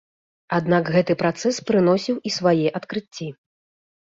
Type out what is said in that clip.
Аднак гэты працэс прыносіў і свае адкрыцці.